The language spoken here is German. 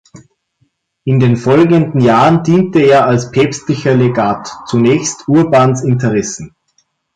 In den folgenden Jahren diente er als päpstlicher Legat zunächst Urbans Interessen.